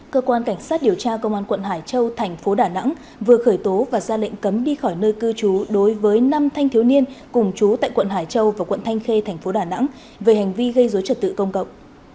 cơ quan cảnh sát điều tra công an quận hải châu thành phố đà nẵng vừa khởi tố và ra lệnh cấm đi khỏi nơi cư trú đối với năm thanh thiếu niên cùng chú tại quận hải châu và quận thanh khê thành phố đà nẵng về hành vi gây dối trật tự công cộng